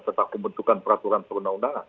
tetap pembentukan peraturan perundang undangan